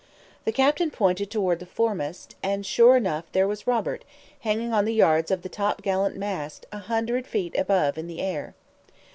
The captain pointed toward the foremast, and sure enough there was Robert, hanging on the yards of the topgallant mast, a hundred feet above in the air.